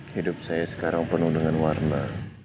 hidup saya sekarang penuh dengan warna